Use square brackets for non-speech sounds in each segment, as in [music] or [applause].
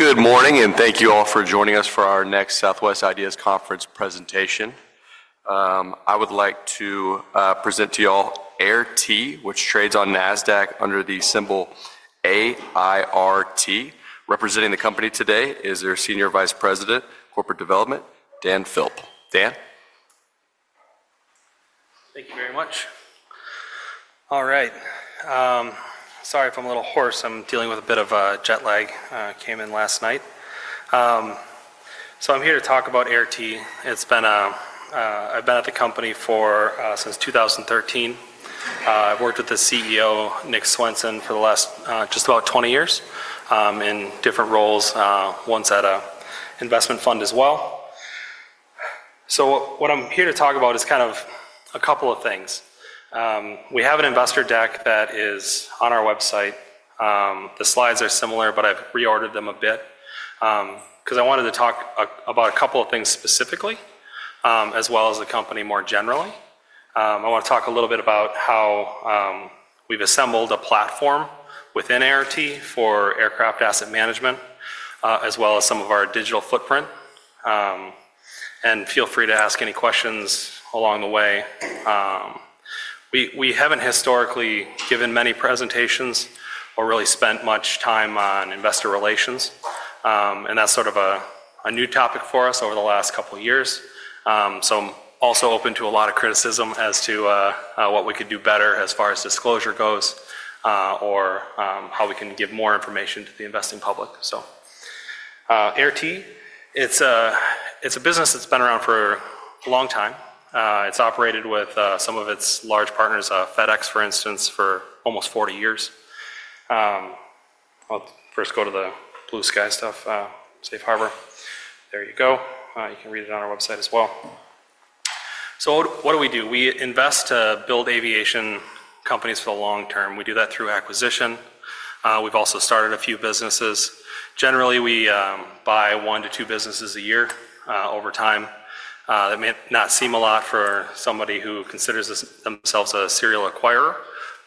Good morning, and thank you all for joining us for our next Southwest Ideas Conference presentation. I would like to present to you all Air T, which trades on Nasdaq under the symbol AIRT. Representing the company today is their Senior Vice President, Corporate Development, Dan Philp. Dan? Thank you very much. All right. Sorry if I'm a little hoarse. I'm dealing with a bit of a jet lag. I came in last night. I'm here to talk about Air T. I've been at the company since 2013. I've worked with the CEO, Nick Swenson, for the last just about 20 years in different roles, once at an investment fund as well. What I'm here to talk about is kind of a couple of things. We have an investor deck that is on our website. The slides are similar, but I've reordered them a bit because I wanted to talk about a couple of things specifically, as well as the company more generally. I want to talk a little bit about how we've assembled a platform within Air T for aircraft asset management, as well as some of our digital footprint. Feel free to ask any questions along the way. We haven't historically given many presentations or really spent much time on investor relations. That's sort of a new topic for us over the last couple of years. I'm also open to a lot of criticism as to what we could do better as far as disclosure goes or how we can give more information to the investing public. Air T is a business that's been around for a long time. It's operated with some of its large partners, FedEx, for instance, for almost 40 years. I'll first go to the blue sky stuff. Safe harbor. There you go. You can read it on our website as well. What do we do? We invest to build aviation companies for the long term. We do that through acquisition. We've also started a few businesses. Generally, we buy one to two businesses a year over time. That may not seem a lot for somebody who considers themselves a serial acquirer,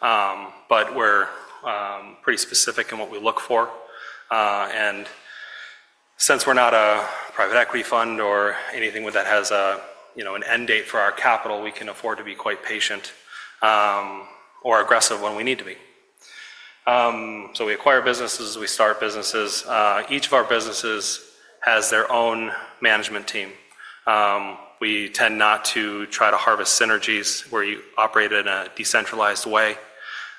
but we're pretty specific in what we look for. Since we're not a private equity fund or anything that has an end date for our capital, we can afford to be quite patient or aggressive when we need to be. We acquire businesses. We start businesses. Each of our businesses has their own management team. We tend not to try to harvest synergies where you operate in a decentralized way,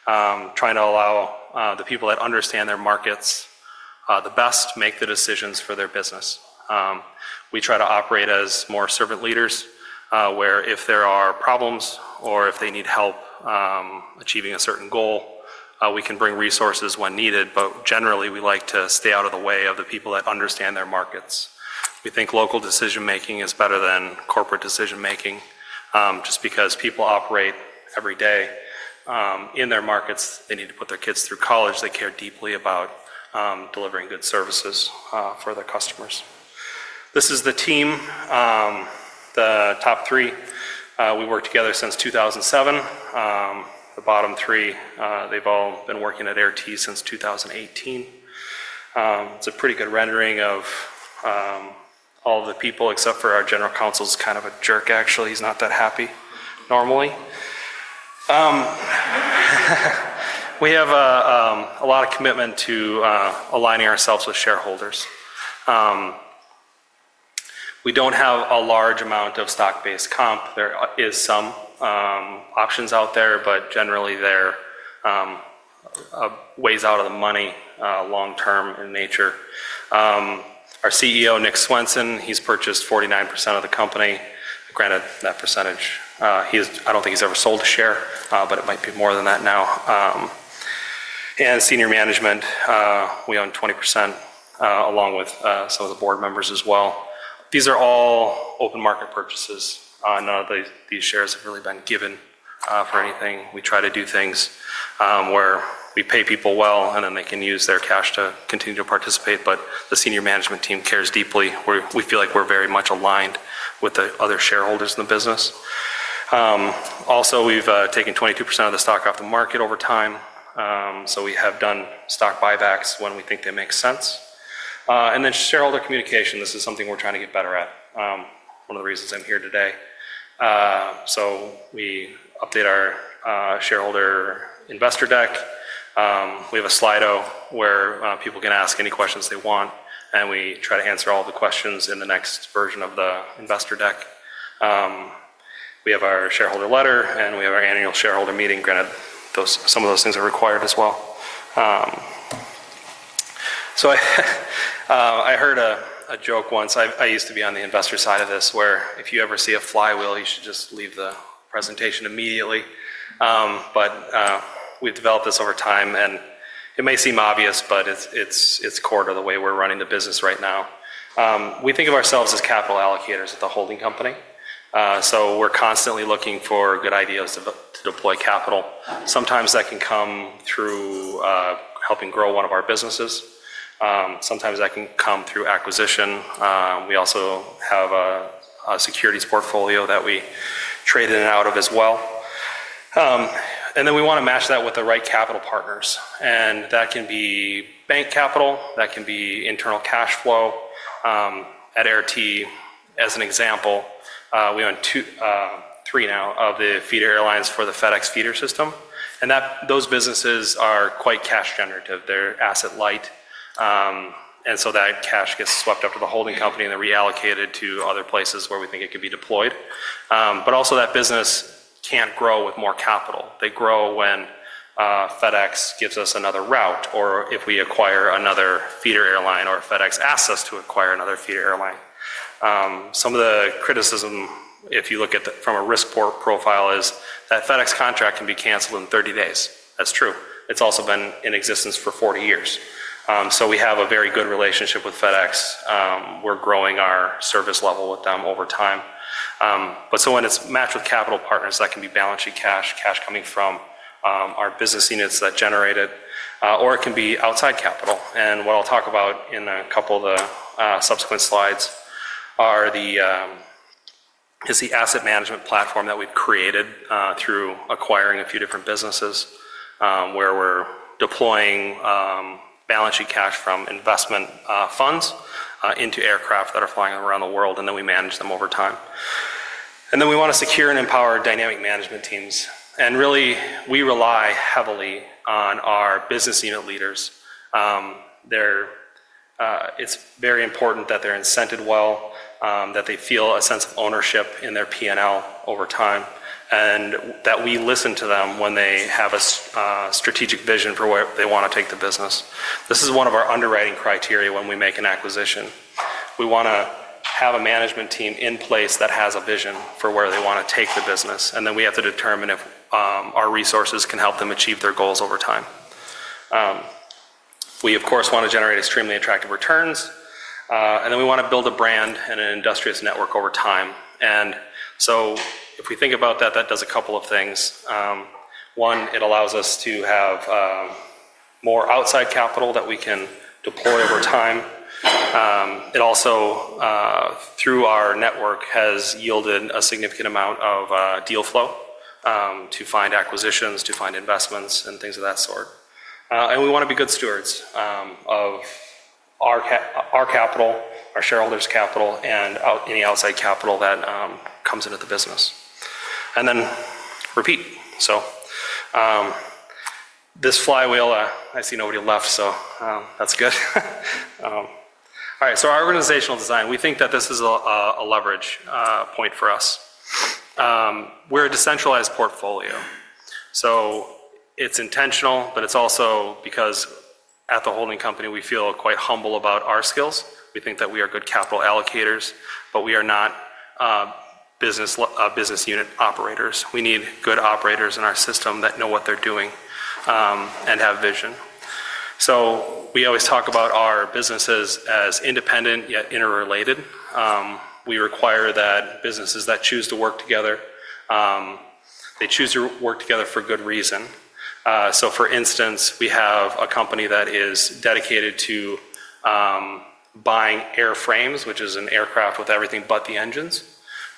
trying to allow the people that understand their markets the best to make the decisions for their business. We try to operate as more servant leaders where if there are problems or if they need help achieving a certain goal, we can bring resources when needed. Generally, we like to stay out of the way of the people that understand their markets. We think local decision-making is better than corporate decision-making just because people operate every day in their markets. They need to put their kids through college. They care deeply about delivering good services for their customers. This is the team, the top three. We've worked together since 2007. The bottom three, they've all been working at Air T since 2018. It's a pretty good rendering of all of the people except for our general counsel. He's kind of a jerk, actually. He's not that happy normally. We have a lot of commitment to aligning ourselves with shareholders. We don't have a large amount of stock-based comp. There are some options out there, but generally, they're ways out of the money long-term in nature. Our CEO, Nick Swenson, he's purchased 49% of the company. Granted, that percentage, I do not think he has ever sold a share, but it might be more than that now. Senior management, we own 20% along with some of the board members as well. These are all open market purchases. None of these shares have really been given for anything. We try to do things where we pay people well and then they can use their cash to continue to participate. The senior management team cares deeply. We feel like we are very much aligned with the other shareholders in the business. Also, we have taken 22% of the stock off the market over time. We have done stock buybacks when we think they make sense. Shareholder communication is something we are trying to get better at. One of the reasons I am here today. We update our shareholder investor deck. We have a Slido where people can ask any questions they want, and we try to answer all the questions in the next version of the investor deck. We have our shareholder letter, and we have our annual shareholder meeting. Granted, some of those things are required as well. I heard a joke once. I used to be on the investor side of this where if you ever see a flywheel, you should just leave the presentation immediately. We have developed this over time, and it may seem obvious, but it is core to the way we are running the business right now. We think of ourselves as capital allocators at the holding company. We are constantly looking for good ideas to deploy capital. Sometimes that can come through helping grow one of our businesses. Sometimes that can come through acquisition. We also have a securities portfolio that we trade in and out of as well. We want to match that with the right capital partners. That can be bank capital. That can be internal cash flow. At Air T, as an example, we own three now of the feeder airlines for the FedEx feeder system. Those businesses are quite cash generative. They're asset light. That cash gets swept up to the holding company and then reallocated to other places where we think it could be deployed. Also, that business can't grow with more capital. They grow when FedEx gives us another route or if we acquire another feeder airline or FedEx asks us to acquire another feeder airline. Some of the criticism, if you look at it from a risk profile, is that FedEx contract can be canceled in 30 days. That's true. It's also been in existence for 40 years. We have a very good relationship with FedEx. We're growing our service level with them over time. When it's matched with capital partners, that can be balance sheet cash, cash coming from our business units that generate it, or it can be outside capital. What I'll talk about in a couple of the subsequent slides is the asset management platform that we've created through acquiring a few different businesses where we're deploying balance sheet cash from investment funds into aircraft that are flying around the world, and then we manage them over time. We want to secure and empower dynamic management teams. We rely heavily on our business unit leaders. It's very important that they're incented well, that they feel a sense of ownership in their P&L over time, and that we listen to them when they have a strategic vision for where they want to take the business. This is one of our underwriting criteria when we make an acquisition. We want to have a management team in place that has a vision for where they want to take the business. We have to determine if our resources can help them achieve their goals over time. We, of course, want to generate extremely attractive returns. We want to build a brand and an industrious network over time. If we think about that, that does a couple of things. One, it allows us to have more outside capital that we can deploy over time. It also, through our network, has yielded a significant amount of deal flow to find acquisitions, to find investments, and things of that sort. We want to be good stewards of our capital, our shareholders' capital, and any outside capital that comes into the business. Repeat. This flywheel, I see nobody left, so that's good. All right. Our organizational design, we think that this is a leverage point for us. We're a decentralized portfolio. It's intentional, but it's also because at the holding company, we feel quite humble about our skills. We think that we are good capital allocators, but we are not business unit operators. We need good operators in our system that know what they're doing and have vision. We always talk about our businesses as independent yet interrelated. We require that businesses that choose to work together, they choose to work together for good reason. For instance, we have a company that is dedicated to buying airframes, which is an aircraft with everything but the engines,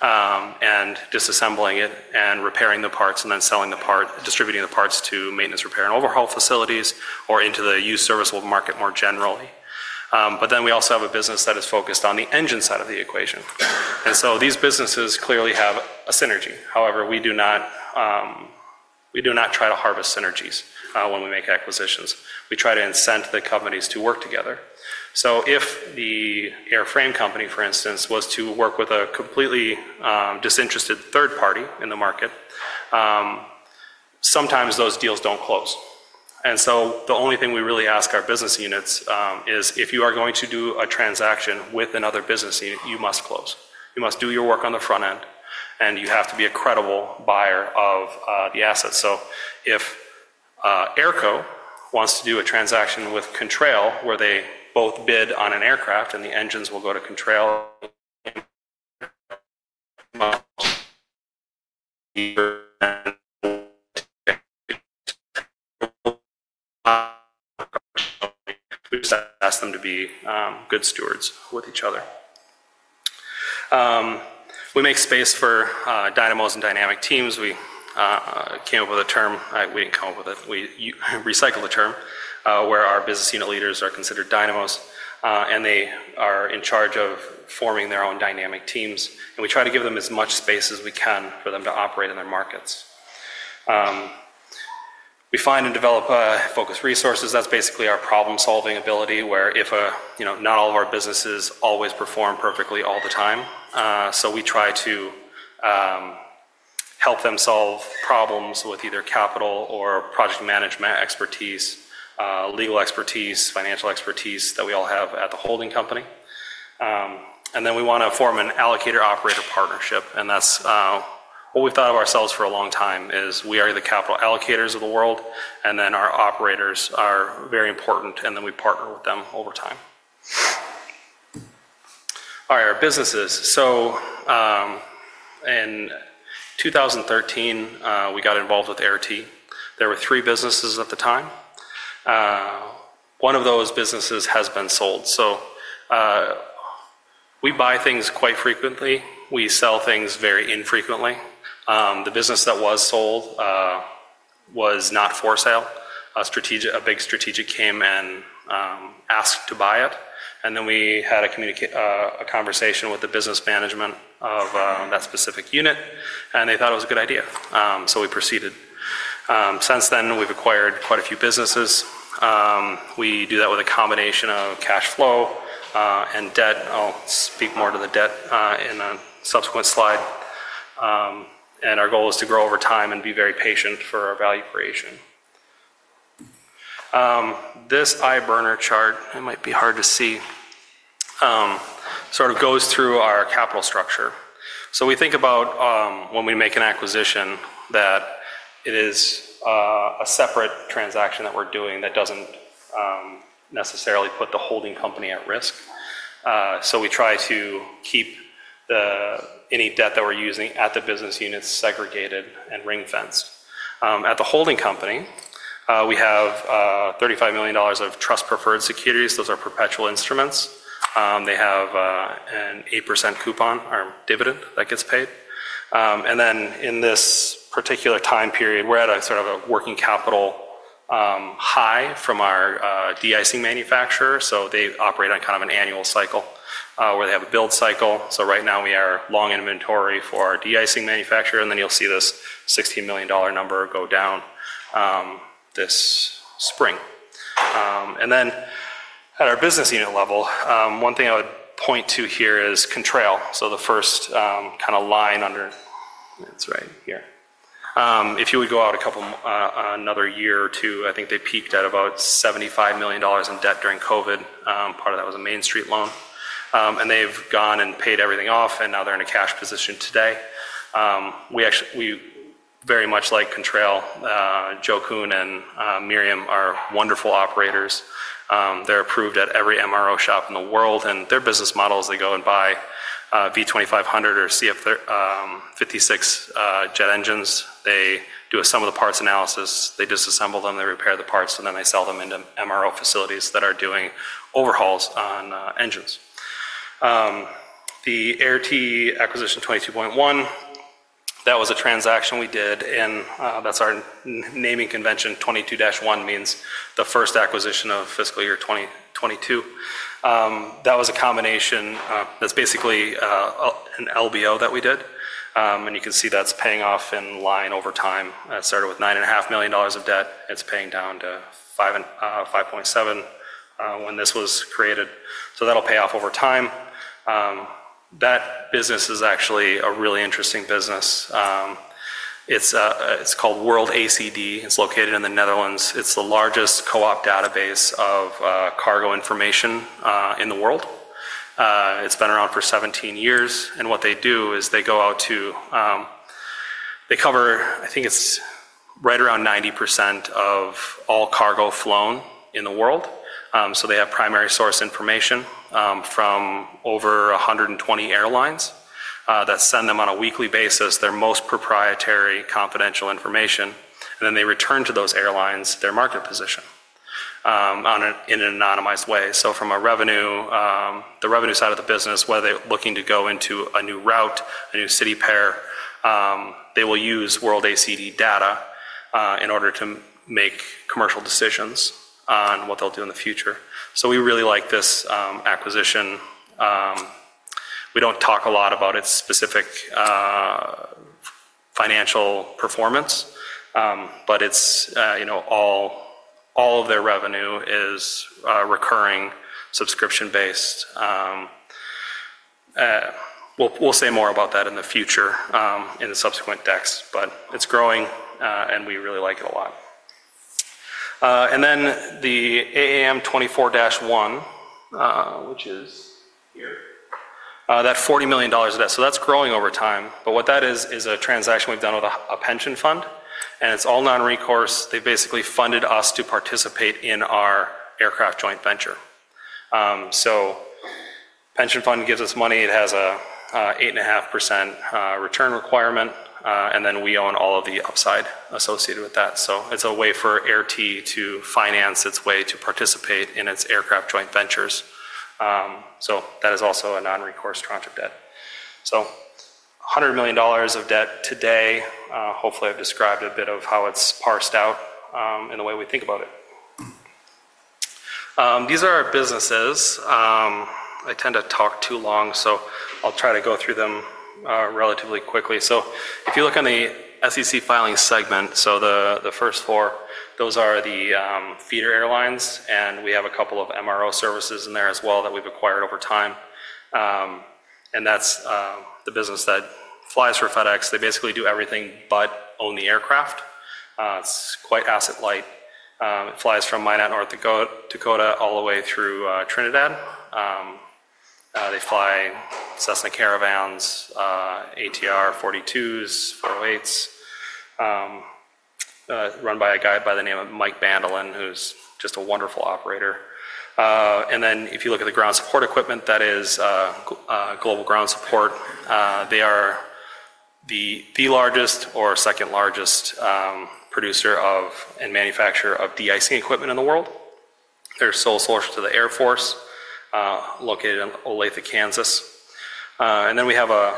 and disassembling it and repairing the parts and then selling the part, distributing the parts to maintenance, repair, and overhaul facilities or into the used service market more generally. We also have a business that is focused on the engine side of the equation. These businesses clearly have a synergy. However, we do not try to harvest synergies when we make acquisitions. We try to incent the companies to work together. If the airframe company, for instance, was to work with a completely disinterested third party in the market, sometimes those deals do not close. The only thing we really ask our business units is if you are going to do a transaction with another business unit, you must close. You must do your work on the front end, and you have to be a credible buyer of the assets. If AirCo wants to do a transaction with Contrail where they both bid on an aircraft and the engines will go to Contrail, [audio distortion] we just ask them to be good stewards with each other. We make space for dynamos and dynamic teams. We came up with a term; we did not come up with it. We recycled the term where our business unit leaders are considered dynamos, and they are in charge of forming their own dynamic teams. We try to give them as much space as we can for them to operate in their markets. We find and develop focus resources. That's basically our problem-solving ability where if not all of our businesses always perform perfectly all the time. We try to help them solve problems with either capital or project management expertise, legal expertise, financial expertise that we all have at the holding company. We want to form an allocator-operator partnership. That's what we've thought of ourselves for a long time is we are the capital allocators of the world, and our operators are very important, and we partner with them over time. All right, our businesses. In 2013, we got involved with Air T. There were three businesses at the time. One of those businesses has been sold. We buy things quite frequently. We sell things very infrequently. The business that was sold was not for sale. A big strategic came and asked to buy it. We had a conversation with the business management of that specific unit, and they thought it was a good idea. We proceeded. Since then, we've acquired quite a few businesses. We do that with a combination of cash flow and debt. I'll speak more to the debt in a subsequent slide. Our goal is to grow over time and be very patient for our value creation. This eye-burner chart, it might be hard to see, sort of goes through our capital structure. We think about when we make an acquisition that it is a separate transaction that we're doing that doesn't necessarily put the holding company at risk. We try to keep any debt that we're using at the business unit segregated and ring-fenced. At the holding company, we have $35 million of trust-preferred securities. Those are perpetual instruments. They have an 8% coupon, our dividend that gets paid. In this particular time period, we're at a sort of a working capital high from our de-icing manufacturer. They operate on kind of an annual cycle where they have a build cycle. Right now, we are long inventory for our de-icing manufacturer. You'll see this $16 million number go down this spring. At our business unit level, one thing I would point to here is Contrail. The first kind of line under it's right here. If you would go out another year or two, I think they peaked at about $75 million in debt during COVID. Part of that was a Main Street loan. They've gone and paid everything off, and now they're in a cash position today. We very much like Contrail. Joe Kuhn and Miriam are wonderful operators. They're approved at every MRO shop in the world. Their business model is they go and buy V2500 or CF56 jet engines. They do some of the parts analysis. They disassemble them, they repair the parts, and then they sell them into MRO facilities that are doing overhauls on engines. The Air T Acquisition 22.1, that was a transaction we did. That's our naming convention. 22-1 means the first acquisition of fiscal year 2022. That was a combination that's basically an LBO that we did. You can see that's paying off in line over time. It started with $9.5 million of debt. It's paying down to $5.7 million when this was created. That'll pay off over time. That business is actually a really interesting business. It's called WorldACD. It's located in the Netherlands. It's the largest co-op database of cargo information in the world. It's been around for 17 years. What they do is they go out to they cover, I think it's right around 90% of all cargo flown in the world. They have primary source information from over 120 airlines that send them on a weekly basis their most proprietary confidential information. They return to those airlines their market position in an anonymized way. From the revenue side of the business, whether they're looking to go into a new route, a new city pair, they will use WorldACD data in order to make commercial decisions on what they'll do in the future. We really like this acquisition. We don't talk a lot about its specific financial performance, but all of their revenue is recurring subscription-based. We'll say more about that in the future in the subsequent decks, but it's growing, and we really like it a lot. The AAM 24-1, which is here, that $40 million of that. That is growing over time. What that is, is a transaction we've done with a pension fund, and it's all non-recourse. They basically funded us to participate in our aircraft joint venture. Pension fund gives us money. It has an 8.5% return requirement, and we own all of the upside associated with that. It's a way for Air T to finance its way to participate in its aircraft joint ventures. That is also a non-recourse contract debt. $100 million of debt today. Hopefully, I've described a bit of how it's parsed out and the way we think about it. These are our businesses. I tend to talk too long, so I'll try to go through them relatively quickly. If you look on the SEC filing segment, the first four, those are the feeder airlines, and we have a couple of MRO services in there as well that we've acquired over time. That's the business that flies for FedEx. They basically do everything but own the aircraft. It's quite asset-light. It flies from Minot, North Dakota all the way through Trinidad. They fly Cessna Caravans, ATR 42s, 408s, run by a guy by the name of Mike Bandelin, who's just a wonderful operator. If you look at the ground support equipment, that is Global Ground Support. They are the largest or second largest producer and manufacturer of de-icing equipment in the world. They're sole source to the Air Force located in Olathe, Kansas. We have a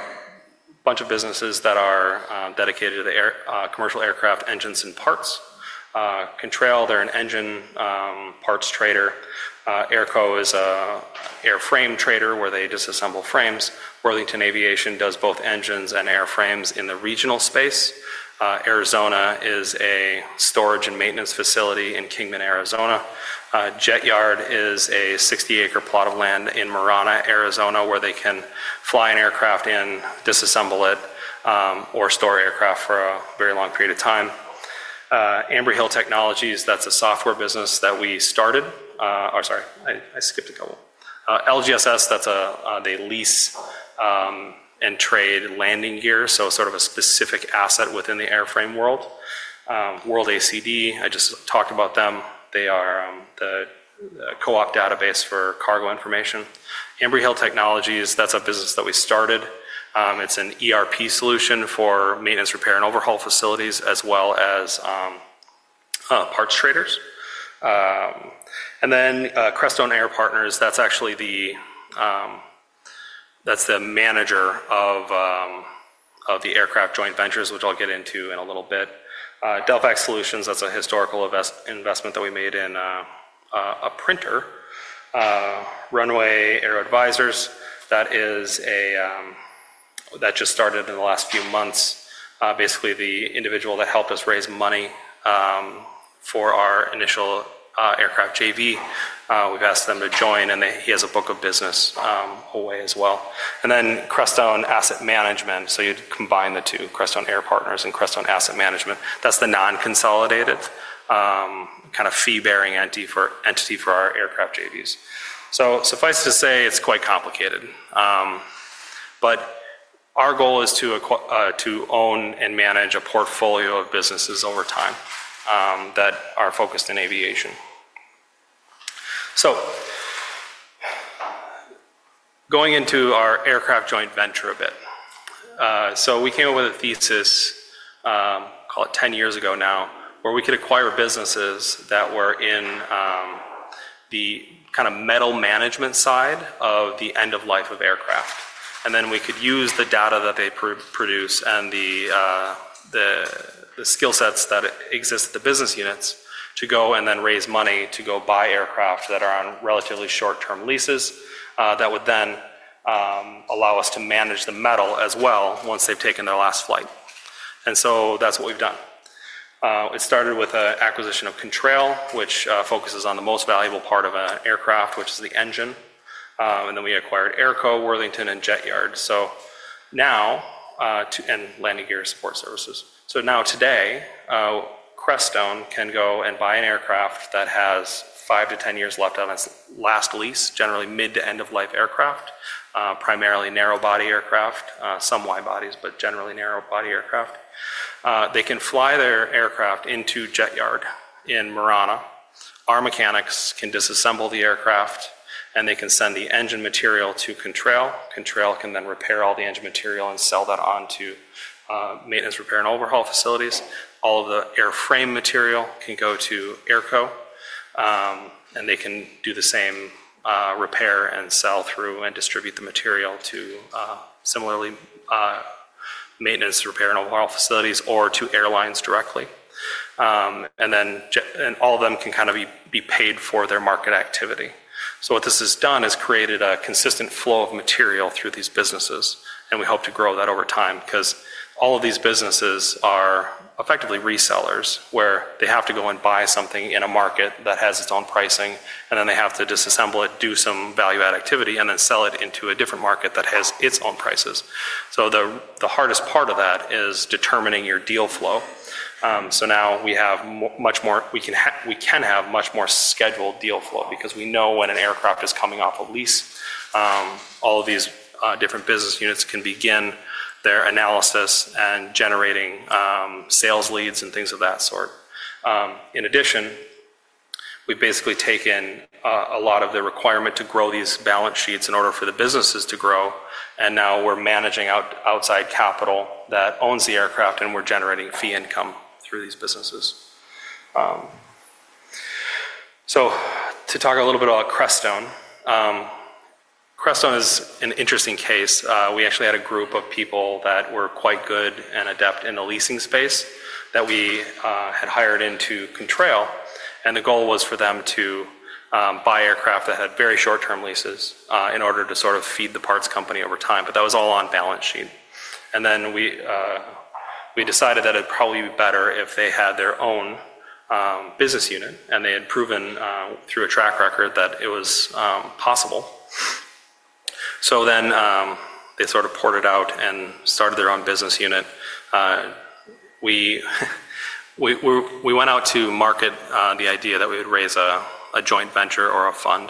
bunch of businesses that are dedicated to commercial aircraft engines and parts. Contrail, they're an engine parts trader. AirCo is an airframe trader where they disassemble frames. Worthington Aviation does both engines and airframes in the regional space. Air'Zona is a storage and maintenance facility in Kingman, Arizona. Jet Yard is a 60-acre plot of land in Marana, Arizona, where they can fly an aircraft in, disassemble it, or store aircraft for a very long period of time. Ambry Hill Technologies, that's a software business that we started. Oh, sorry, I skipped a couple. LGSS, they lease and trade landing gear, so sort of a specific asset within the airframe world. WorldACD, I just talked about them. They are the co-op database for cargo information. Ambry Hill Technologies, that's a business that we started. It's an ERP solution for maintenance, repair, and overhaul facilities as well as parts traders. Crestone Air Partners, that's the manager of the aircraft joint ventures, which I'll get into in a little bit. Delphax Solutions, that's a historical investment that we made in a printer. Runway Aero Advisors, that just started in the last few months. Basically, the individual that helped us raise money for our initial aircraft JV, we've asked them to join, and he has a book of business away as well. Crestone Asset Management. You combine the two, Crestone Air Partners and Crestone Asset Management. That's the non-consolidated kind of fee-bearing entity for our aircraft JVs. Suffice to say, it's quite complicated. Our goal is to own and manage a portfolio of businesses over time that are focused in aviation. Going into our aircraft joint venture a bit. We came up with a thesis, call it 10 years ago now, where we could acquire businesses that were in the kind of metal management side of the end of life of aircraft. Then we could use the data that they produce and the skill sets that exist at the business units to go and then raise money to go buy aircraft that are on relatively short-term leases that would then allow us to manage the metal as well once they've taken their last flight. That is what we've done. It started with an acquisition of Contrail, which focuses on the most valuable part of an aircraft, which is the engine. Then we acquired AirCo, Worthington, and Jet Yard. Now, and landing gear support services. Now today, Crestone can go and buy an aircraft that has five to ten years left on its last lease, generally mid to end-of-life aircraft, primarily narrow-body aircraft, some wide bodies, but generally narrow-body aircraft. They can fly their aircraft into Jet Yard in Marana. Our mechanics can disassemble the aircraft, and they can send the engine material to Contrail. Contrail can then repair all the engine material and sell that onto maintenance, repair, and overhaul facilities. All of the airframe material can go to Airco, and they can do the same repair and sell through and distribute the material to similarly maintenance, repair, and overhaul facilities or to airlines directly. All of them can kind of be paid for their market activity. What this has done is created a consistent flow of material through these businesses, and we hope to grow that over time because all of these businesses are effectively resellers where they have to go and buy something in a market that has its own pricing, and then they have to disassemble it, do some value-add activity, and then sell it into a different market that has its own prices. The hardest part of that is determining your deal flow. Now we have much more, we can have much more scheduled deal flow because we know when an aircraft is coming off a lease. All of these different business units can begin their analysis and generating sales leads and things of that sort. In addition, we've basically taken a lot of the requirement to grow these balance sheets in order for the businesses to grow. Now we're managing outside capital that owns the aircraft, and we're generating fee income through these businesses. To talk a little bit about Crestone, Crestone is an interesting case. We actually had a group of people that were quite good and adept in the leasing space that we had hired into Contrail. The goal was for them to buy aircraft that had very short-term leases in order to sort of feed the parts company over time. That was all on balance sheet. We decided that it'd probably be better if they had their own business unit, and they had proven through a track record that it was possible. They sort of poured it out and started their own business unit. We went out to market the idea that we would raise a joint venture or a fund.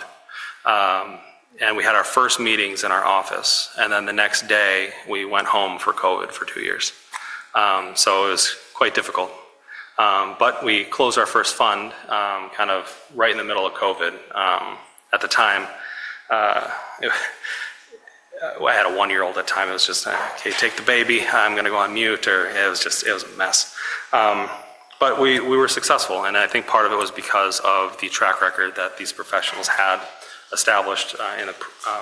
We had our first meetings in our office. The next day, we went home for COVID for two years. It was quite difficult. We closed our first fund right in the middle of COVID at the time. I had a one-year-old at the time. It was just, "Okay, take the baby. I'm going to go on mute." It was a mess. We were successful. I think part of it was because of the track record that these professionals had established in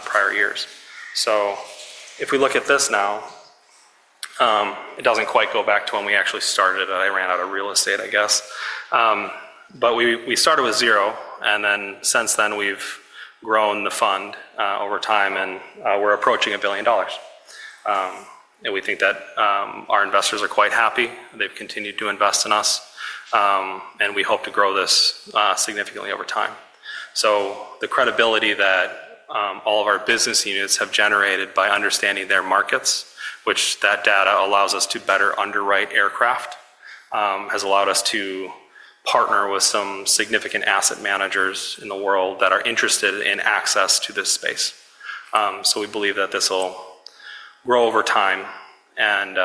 prior years. If we look at this now, it does not quite go back to when we actually started it. I ran out of real estate, I guess. We started with zero. Since then, we have grown the fund over time, and we are approaching $1 billion. We think that our investors are quite happy. They've continued to invest in us. We hope to grow this significantly over time. The credibility that all of our business units have generated by understanding their markets, which that data allows us to better underwrite aircraft, has allowed us to partner with some significant asset managers in the world that are interested in access to this space. We believe that this will grow over time and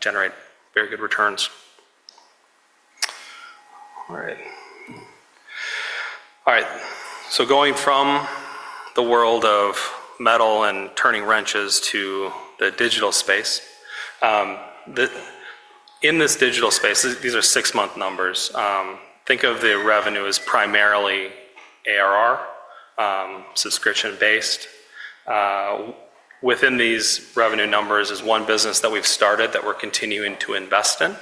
generate very good returns. All right. All right. Going from the world of metal and turning wrenches to the digital space, in this digital space, these are six-month numbers. Think of the revenue as primarily ARR, subscription-based. Within these revenue numbers is one business that we've started that we're continuing to invest in.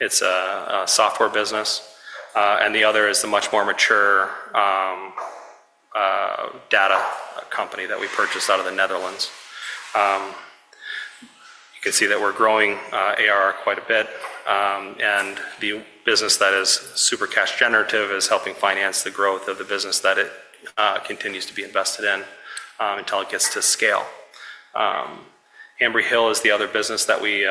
It's a software business. The other is the much more mature data company that we purchased out of the Netherlands. You can see that we're growing ARR quite a bit. The business that is super cash generative is helping finance the growth of the business that it continues to be invested in until it gets to scale. Ambry Hill is the other business that we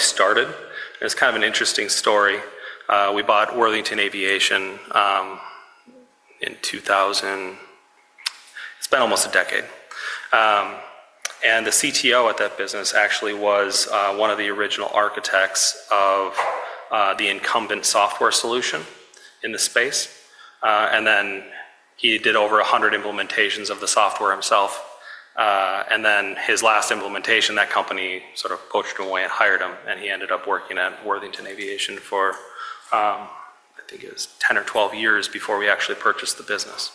started. It's kind of an interesting story. We bought Worthington Aviation in 2000. It's been almost a decade. The CTO at that business actually was one of the original architects of the incumbent software solution in the space. He did over 100 implementations of the software himself. His last implementation, that company sort of poached him away and hired him, and he ended up working at Worthington Aviation for, I think it was 10 or 12 years before we actually purchased the business.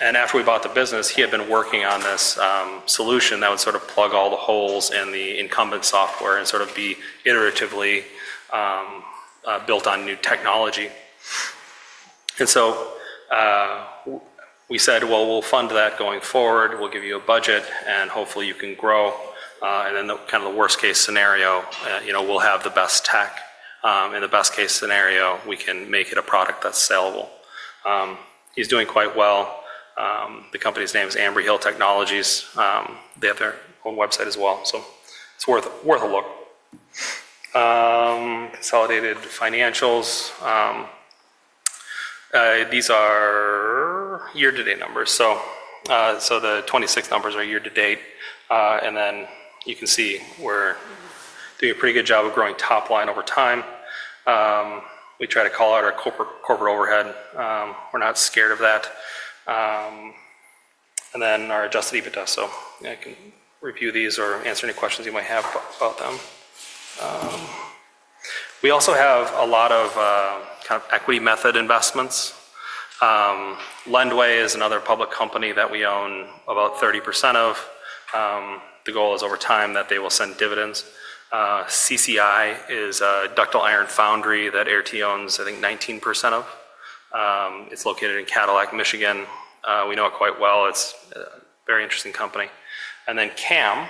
After we bought the business, he had been working on this solution that would sort of plug all the holes in the incumbent software and sort of be iteratively built on new technology. We said, "We'll fund that going forward. We'll give you a budget, and hopefully, you can grow." In the worst-case scenario, we'll have the best tech. In the best-case scenario, we can make it a product that's saleable. He's doing quite well. The company's name is Ambry Hill Technologies. They have their own website as well. It's worth a look. Consolidated financials. These are year-to-date numbers. The 26 numbers are year-to-date. You can see we're doing a pretty good job of growing top line over time. We try to call out our corporate overhead. We're not scared of that. Our adjusted EBITDA. I can review these or answer any questions you might have about them. We also have a lot of kind of equity method investments. Lendway is another public company that we own about 30% of. The goal is over time that they will send dividends. CCI is ductile iron foundry that Air T owns, I think, 19% of. It's located in Cadillac, Michigan. We know it quite well. It's a very interesting company. And then [CAM],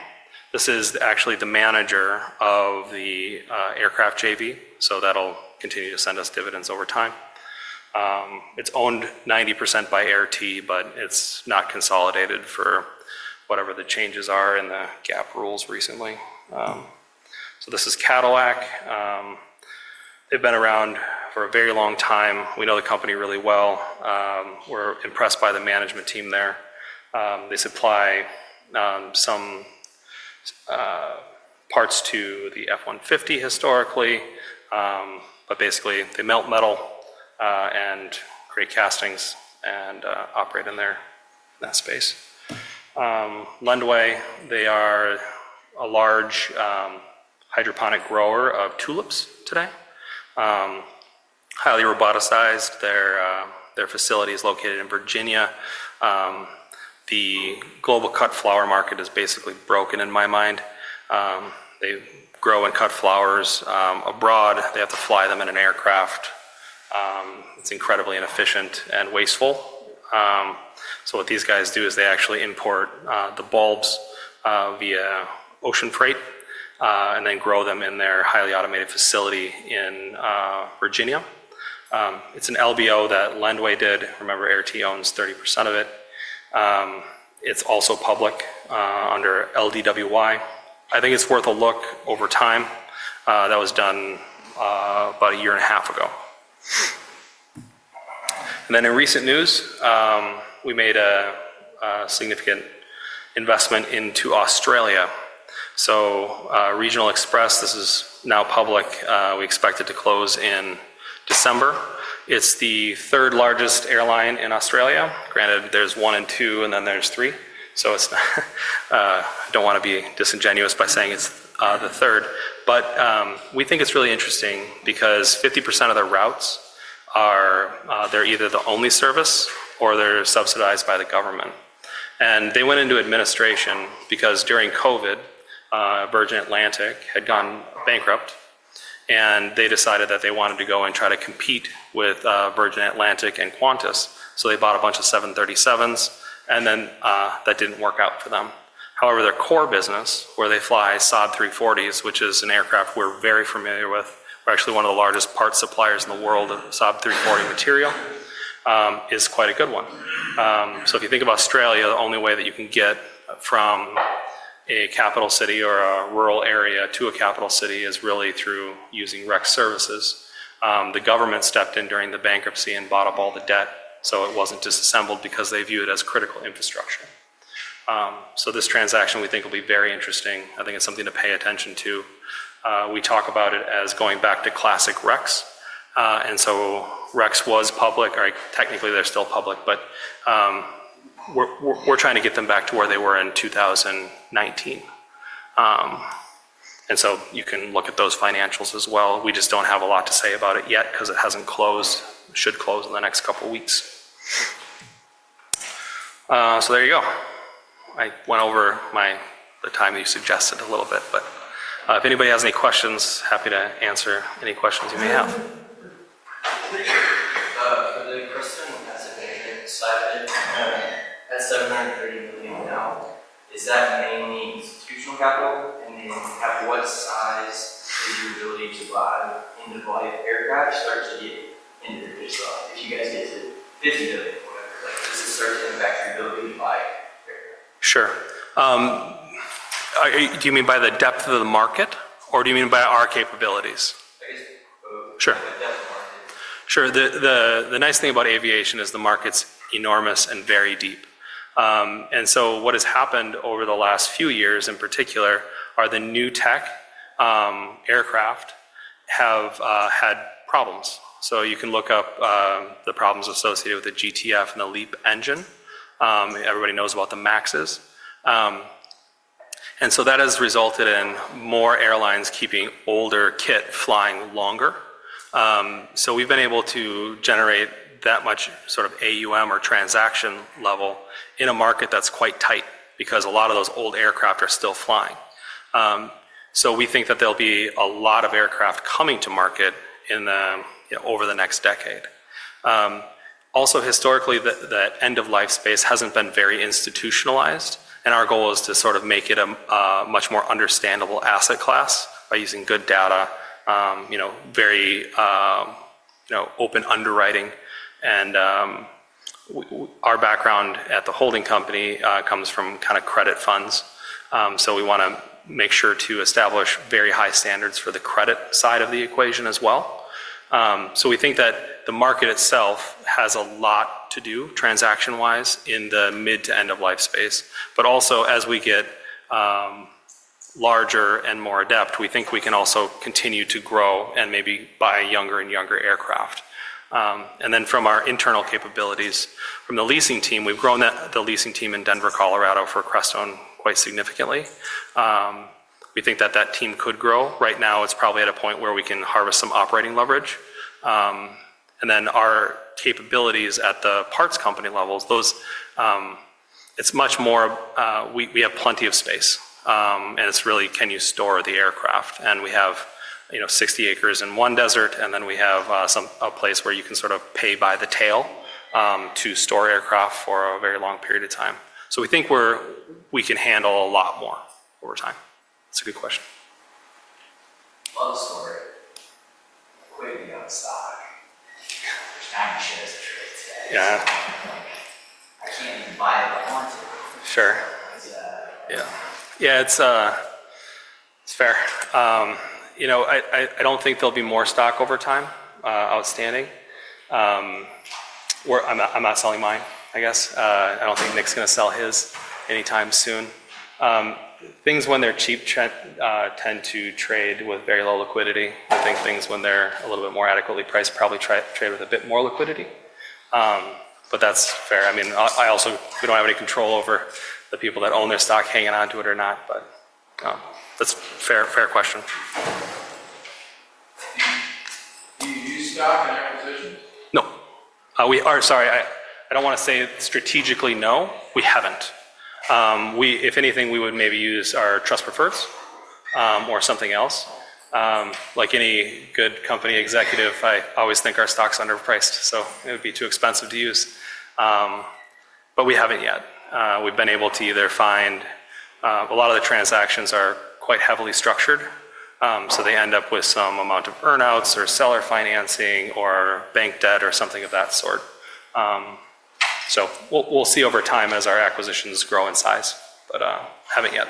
this is actually the manager of the aircraft JV. That'll continue to send us dividends over time. It's owned 90% by Air T, but it's not consolidated for whatever the changes are in the GAAP rules recently. This is Cadillac. They've been around for a very long time. We know the company really well. We're impressed by the management team there. They supply some parts to the F-150 historically, but basically, they melt metal and create castings and operate in that space. Lendway, they are a large hydroponic grower of tulips today. Highly roboticized. Their facility is located in Virginia. The global cut flower market is basically broken in my mind. They grow and cut flowers abroad. They have to fly them in an aircraft. It's incredibly inefficient and wasteful. What these guys do is they actually import the bulbs via ocean freight and then grow them in their highly automated facility in Virginia. It's an LBO that Lendway did. Remember, Air T owns 30% of it. It's also public under LDWY. I think it's worth a look over time. That was done about a year-and-a-half ago. In recent news, we made a significant investment into Australia. Regional Express, this is now public. We expect it to close in December. It's the third largest airline in Australia. Granted, there's one and two, and then there's three. I don't want to be disingenuous by saying it's the third. We think it's really interesting because 50% of their routes, they're either the only service or they're subsidized by the government. They went into administration because during COVID, Virgin Atlantic had gone bankrupt. They decided that they wanted to go and try to compete with Virgin Atlantic and Qantas. They bought a bunch of 737s, and then that didn't work out for them. However, their core business, where they fly Saab 340s, which is an aircraft we're very familiar with, we're actually one of the largest parts suppliers in the world of Saab 340 material, is quite a good one. If you think of Australia, the only way that you can get from a capital city or a rural area to a capital city is really through using Rex services. The government stepped in during the bankruptcy and bought up all the debt. It was not disassembled because they view it as critical infrastructure. This transaction, we think, will be very interesting. I think it is something to pay attention to. We talk about it as going back to classic Rex. Rex was public. Technically, they are still public, but we are trying to get them back to where they were in 2019. You can look at those financials as well. We just do not have a lot to say about it yet because it has not closed, should close in the next couple of weeks. There you go. I went over the time you suggested a little bit, but if anybody has any questions, happy to answer any questions you may have. [audio distortion] Sure. Do you mean by the depth of the market, or do you mean by our capabilities? Sure. The nice thing about aviation is the market's enormous and very deep. What has happened over the last few years in particular are the new tech aircraft have had problems. You can look up the problems associated with the GTF and the LEAP engine. Everybody knows about the [Maxes]. That has resulted in more airlines keeping older kit flying longer. We've been able to generate that much sort of AUM or transaction level in a market that's quite tight because a lot of those old aircraft are still flying. We think that there will be a lot of aircraft coming to market over the next decade. Also, historically, the end-of-life space hasn't been very institutionalized. Our goal is to sort of make it a much more understandable asset class by using good data, very open underwriting. Our background at the holding company comes from kind of credit funds. We want to make sure to establish very high standards for the credit side of the equation as well. We think that the market itself has a lot to do transaction-wise in the mid to end-of-life space. Also, as we get larger and more adept, we think we can also continue to grow and maybe buy younger and younger aircraft. From our internal capabilities, from the leasing team, we've grown the leasing team in Denver, Colorado for Crestone quite significantly. We think that that team could grow. Right now, it's probably at a point where we can harvest some operating leverage. Our capabilities at the parts company levels, it's much more we have plenty of space. It's really, can you store the aircraft? We have 60 acres in one desert, and then we have a place where you can sort of pay by the tail to store aircraft for a very long period of time. We think we can handle a lot more over time. That's a good question. Long story. [audio distortion] Sure. Yeah, it's fair. I don't think there'll be more stock over time outstanding. I'm not selling mine, I guess. I don't think Nick's going to sell his anytime soon. Things when they're cheap tend to trade with very low liquidity. I think things when they're a little bit more adequately priced probably trade with a bit more liquidity. That's fair. I mean, we don't have any control over the people that own their stock hanging on to it or not, but that's a fair question. Do you use stock in acquisitions? No. Sorry. I don't want to say strategically no. We haven't. If anything, we would maybe use our trust preferreds or something else. Like any good company executive, I always think our stock's underpriced, so it would be too expensive to use. We haven't yet. We've been able to either find a lot of the transactions are quite heavily structured. They end up with some amount of earnouts or seller financing or bank debt or something of that sort. We will see over time as our acquisitions grow in size, but haven't yet.